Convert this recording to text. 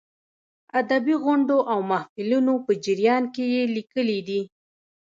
ادبي غونډو او محفلونو په جریان کې یې لیکلې دي.